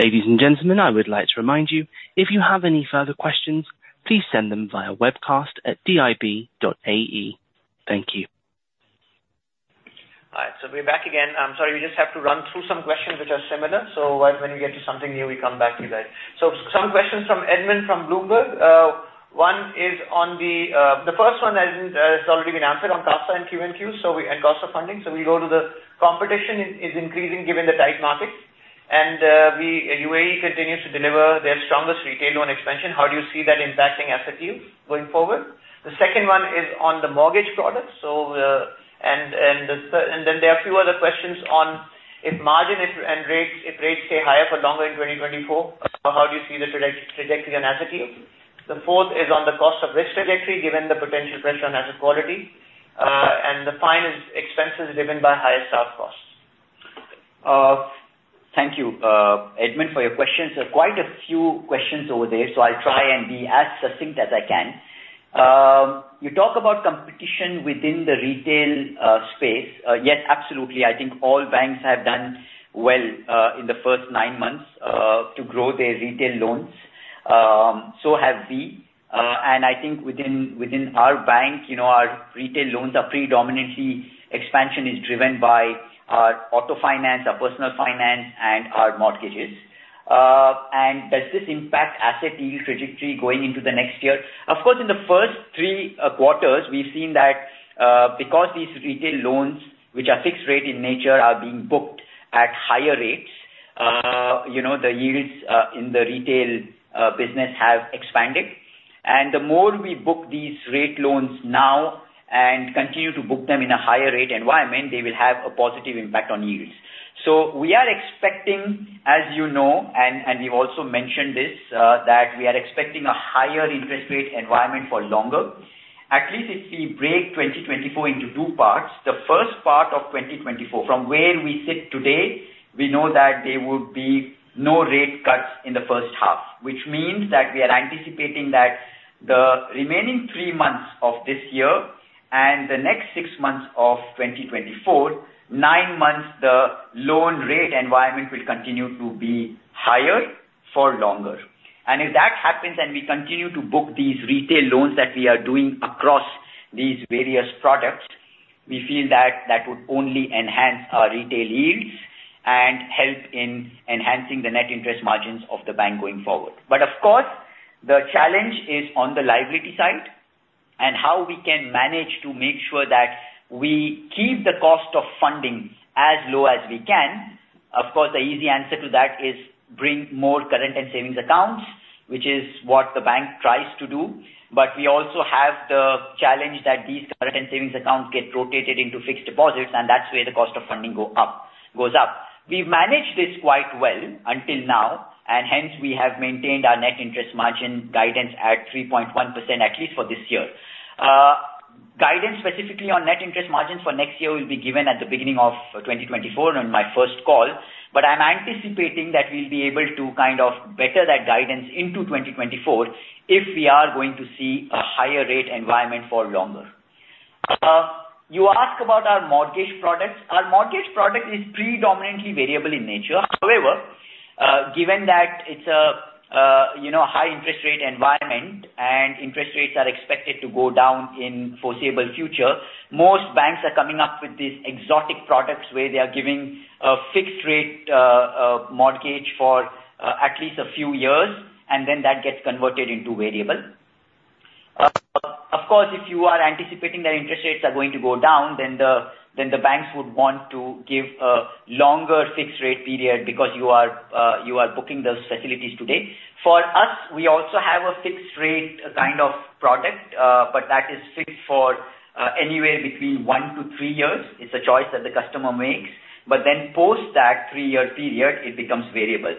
Ladies and gentlemen, I would like to remind you, if you have any further questions, please send them via webcast@dib.ae. Thank you.... All right, so we're back again. I'm sorry, we just have to run through some questions which are similar. So once when we get to something new, we come back to you guys. So some questions from Edmond, from Bloomberg. One is on the... The first one has already been answered on CASA and Q&Qs, so we and cost of funding. So we go to the competition is increasing given the tight market, and UAE continues to deliver their strongest retail loan expansion. How do you see that impacting asset yield going forward? The second one is on the mortgage products. So, and then there are a few other questions on if margin if, and rates, if rates stay higher for longer in 2024, how do you see the trajectory on asset yield? The fourth is on the cost of risk trajectory, given the potential pressure on asset quality, and the final is expenses driven by higher staff costs. Thank you, Edmund, for your questions. There are quite a few questions over there, so I'll try and be as succinct as I can. You talk about competition within the retail space. Yes, absolutely. I think all banks have done well in the first nine months to grow their retail loans. So have we. And I think within our bank, you know, our retail loans are predominantly expansion is driven by our auto finance, our personal finance, and our mortgages. And does this impact asset yield trajectory going into the next year? Of course, in the first three quarters, we've seen that because these retail loans, which are fixed rate in nature, are being booked at higher rates, you know, the yields in the retail business have expanded. And the more we book these rate loans now and continue to book them in a higher rate environment, they will have a positive impact on yields. So we are expecting, as you know, and, and we've also mentioned this, that we are expecting a higher interest rate environment for longer. At least if we break 2024 into two parts, the first part of 2024, from where we sit today, we know that there would be no rate cuts in the first half. Which means that we are anticipating that the remaining three months of this year and the next six months of 2024, nine months, the loan rate environment will continue to be higher for longer. If that happens and we continue to book these retail loans that we are doing across these various products, we feel that that would only enhance our retail yields and help in enhancing the net interest margins of the bank going forward. But of course, the challenge is on the liability side, and how we can manage to make sure that we keep the cost of funding as low as we can. Of course, the easy answer to that is bring more current and savings accounts, which is what the bank tries to do. But we also have the challenge that these current and savings accounts get rotated into fixed deposits, and that's where the cost of funding go up, goes up. We've managed this quite well until now, and hence we have maintained our net interest margin guidance at 3.1%, at least for this year. Guidance specifically on net interest margin for next year will be given at the beginning of 2024 on my first call, but I'm anticipating that we'll be able to kind of better that guidance into 2024 if we are going to see a higher rate environment for longer. You ask about our mortgage products. Our mortgage product is predominantly variable in nature. However, given that it's a, you know, high interest rate environment and interest rates are expected to go down in foreseeable future, most banks are coming up with these exotic products where they are giving a fixed rate mortgage for at least a few years, and then that gets converted into variable. Of course, if you are anticipating that interest rates are going to go down, then the banks would want to give a longer fixed rate period because you are booking those facilities today. For us, we also have a fixed rate kind of product, but that is fixed for anywhere between one-three years. It's a choice that the customer makes, but then post that three-year period, it becomes variable.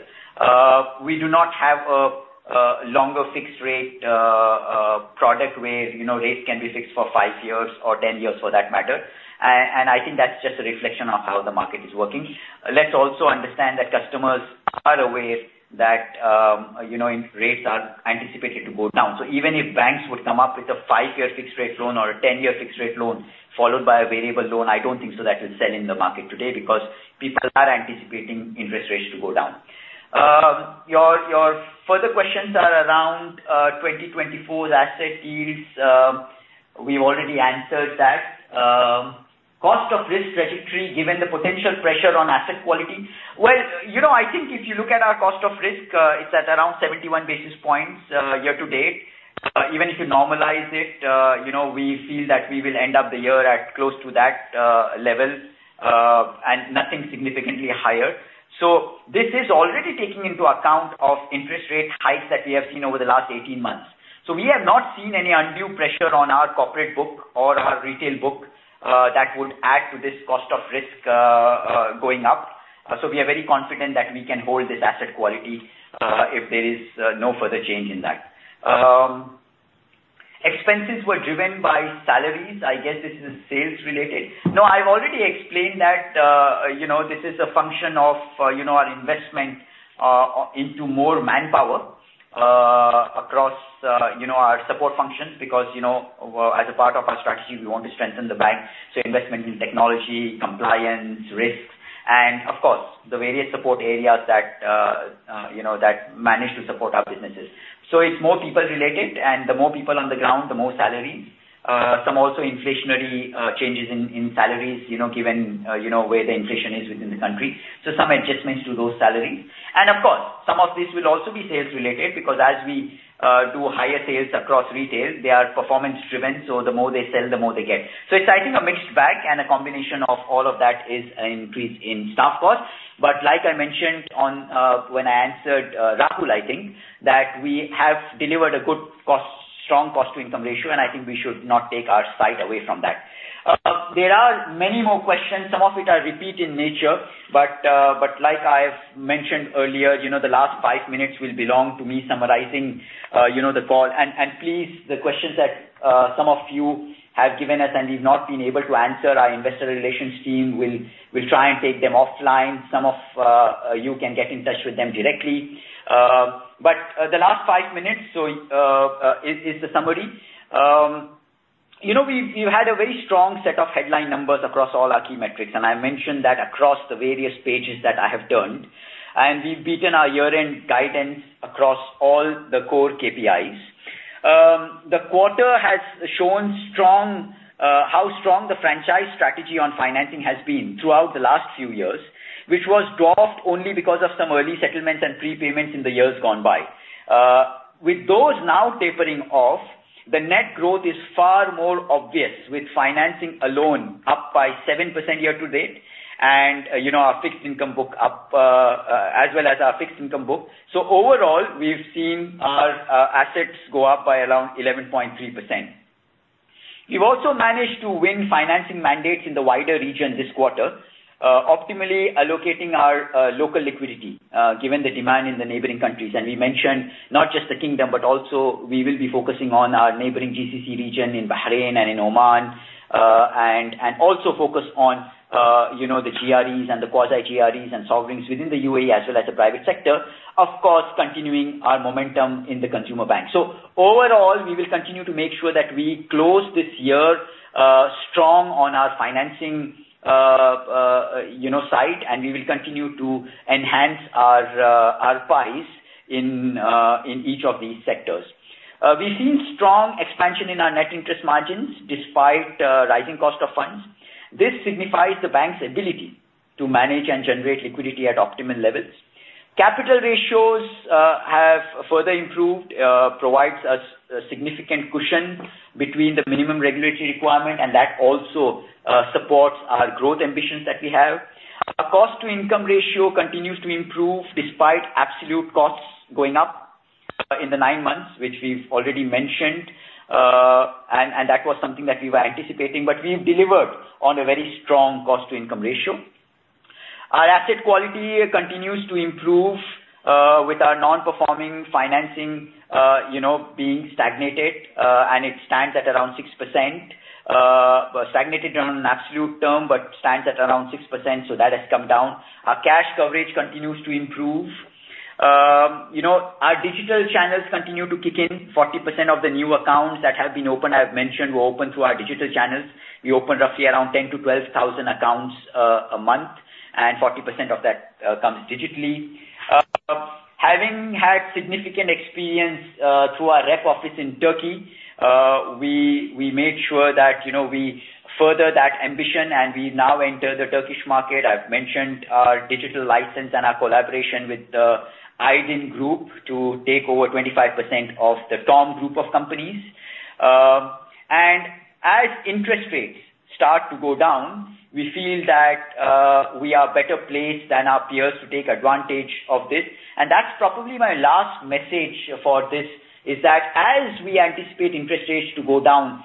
We do not have a longer fixed rate product where, you know, rates can be fixed for five years or 10 years for that matter. And I think that's just a reflection of how the market is working. Let's also understand that customers are aware that, you know, rates are anticipated to go down. So even if banks would come up with a three-year fixed rate loan or a 10-year fixed rate loan followed by a variable loan, I don't think so that will sell in the market today because people are anticipating interest rates to go down. Your further questions are around 2024, the asset yields, we've already answered that. Cost of risk trajectory, given the potential pressure on asset quality. Well, you know, I think if you look at our cost of risk, it's at around 71 basis points, year-to-date. Even if you normalize it, you know, we feel that we will end up the year at close to that level, and nothing significantly higher. So this is already taking into account of interest rate hikes that we have seen over the last 18 months. So we have not seen any undue pressure on our corporate book or our retail book that would add to this cost of risk going up. So we are very confident that we can hold this asset quality if there is no further change in that. Expenses were driven by salaries. I guess this is sales related. No, I've already explained that, you know, this is a function of, you know, our investment into more manpower across, you know, our support functions, because, you know, as a part of our strategy, we want to strengthen the bank, so investment in technology, compliance, risks. And of course, the various support areas that, you know, that manage to support our businesses. So it's more people-related, and the more people on the ground, the more salary. Some also inflationary changes in salaries, you know, given where the inflation is within the country. So some adjustments to those salaries. Of course, some of this will also be sales-related, because as we do higher sales across retail, they are performance-driven, so the more they sell, the more they get. So it's, I think, a mixed bag, and a combination of all of that is an increase in staff costs. But like I mentioned when I answered Rahul, I think that we have delivered a good, strong cost-to-income ratio, and I think we should not take our sight away from that. There are many more questions, some of it are repeat in nature, but like I've mentioned earlier, you know, the last five minutes will belong to me summarizing the call. Please, the questions that some of you have given us, and we've not been able to answer, our investor relations team will try and take them offline. Some of you can get in touch with them directly. But the last five minutes is the summary. You know, you had a very strong set of headline numbers across all our key metrics, and I mentioned that across the various pages that I have turned. We've beaten our year-end guidance across all the core KPIs. The quarter has shown how strong the franchise strategy on financing has been throughout the last few years, which was dropped only because of some early settlements and prepayments in the years gone by. With those now tapering off, the net growth is far more obvious, with financing alone up by 7% year-to-date, and, you know, our fixed income book up, as well as our fixed income book. So overall, we've seen our assets go up by around 11.3%. We've also managed to win financing mandates in the wider region this quarter, optimally allocating our local liquidity, given the demand in the neighboring countries. And we mentioned not just the Kingdom, but also we will be focusing on our neighboring GCC region in Bahrain and in Oman, and also focus on, you know, the GREs and the quasi-GREs and sovereigns within the UAE, as well as the private sector. Of course, continuing our momentum in the consumer bank. So overall, we will continue to make sure that we close this year, strong on our financing, you know, side, and we will continue to enhance our, our ties in, in each of these sectors. We've seen strong expansion in our net interest margins, despite, rising cost of funds. This signifies the bank's ability to manage and generate liquidity at optimum levels. Capital ratios, have further improved, provides us a significant cushion between the minimum regulatory requirement, and that also, supports our growth ambitions that we have. Our cost-to-income ratio continues to improve despite absolute costs going up, in the nine months, which we've already mentioned, and, and that was something that we were anticipating, but we've delivered on a very strong cost-to-income ratio. Our asset quality continues to improve, with our non-performing financing, you know, being stagnated, and it stands at around 6%, stagnated on an absolute term, but stands at around 6%, so that has come down. Our cash coverage continues to improve. You know, our digital channels continue to kick in. 40% of the new accounts that have been opened, I've mentioned, were opened through our digital channels. We opened roughly around 10,000-12,000 accounts, a month, and 40% of that, comes digitally. Having had significant experience, through our rep office in Turkey, we, we made sure that, you know, we further that ambition and we now enter the Turkish market. I've mentioned our digital license and our collaboration with the Aydin Group to take over 25% of the T.O.M. Group of companies. And as interest rates start to go down, we feel that we are better placed than our peers to take advantage of this. And that's probably my last message for this, is that as we anticipate interest rates to go down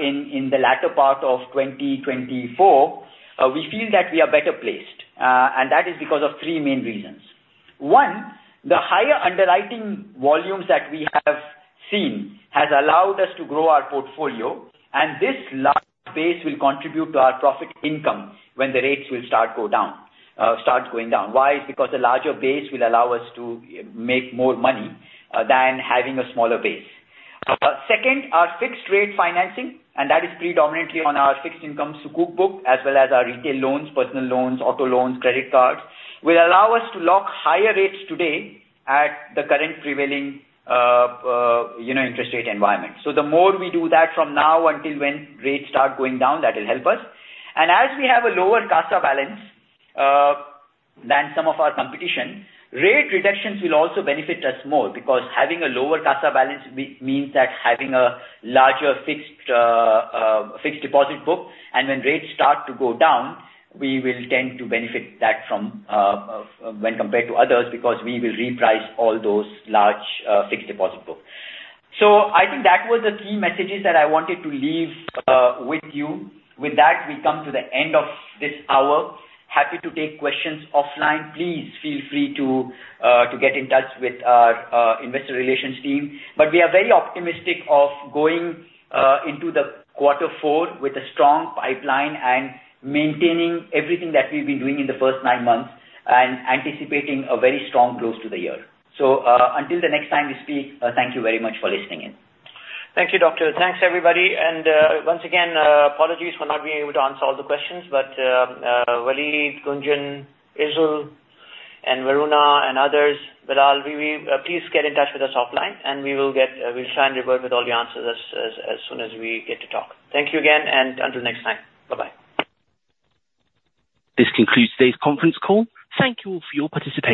in the latter part of 2024, we feel that we are better placed, and that is because of three main reasons. One, the higher underwriting volumes that we have seen has allowed us to grow our portfolio, and this large base will contribute to our profit income when the rates will start going down. Why? Because a larger base will allow us to make more money than having a smaller base. Second, our fixed rate financing, and that is predominantly on our fixed income Sukuk book, as well as our retail loans, personal loans, auto loans, credit cards, will allow us to lock higher rates today at the current prevailing, you know, interest rate environment. So the more we do that from now until when rates start going down, that will help us. And as we have a lower CASA balance than some of our competition, rate reductions will also benefit us more because having a lower CASA balance means that having a larger fixed fixed deposit book, and when rates start to go down, we will tend to benefit that from when compared to others, because we will reprice all those large fixed deposit book. So I think that was the key messages that I wanted to leave with you. With that, we come to the end of this hour. Happy to take questions offline. Please feel free to get in touch with our investor relations team. But we are very optimistic of going into the quarter four with a strong pipeline and maintaining everything that we've been doing in the first nine months and anticipating a very strong close to the year. So, until the next time we speak, thank you very much for listening in. Thank you, Doctor. Thanks, everybody. And, once again, apologies for not being able to answer all the questions, but, Waleed, Gunjan, Izul, and Varuna and others, Bilal, we will... Please get in touch with us offline and we will... we'll try and revert with all the answers as soon as we get to talk. Thank you again, and until next time. Bye-bye. This concludes today's conference call. Thank you all for your participation.